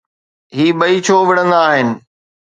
هي ٻئي ڇو وڙهندا آهن؟